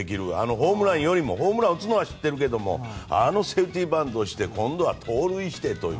ホームランよりもホームラン打つのは知ってるけどあのセーフティーバントして盗塁してという。